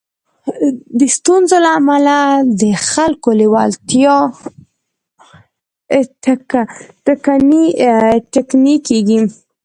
د ستونزو له امله د خلکو لېوالتيا ټکنۍ کېږي.